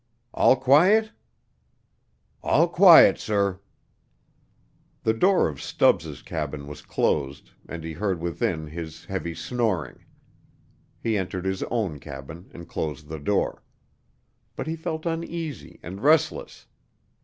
"All quiet?" "All quiet, sir." The door of Stubbs' cabin was closed, and he heard within his heavy snoring. He entered his own cabin and closed the door. But he felt uneasy and restless.